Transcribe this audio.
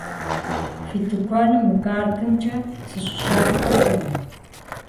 Фи тыкуэным мы картымкӏэ сыщыщахуэ хъуну?